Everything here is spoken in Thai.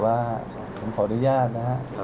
ขอบคุณพี่ด้วยนะครับ